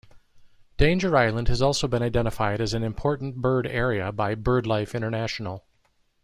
Danger Island has also been identified as an Important Bird Area by BirdLife International.